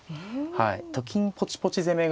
はいと金ポチポチ攻めが。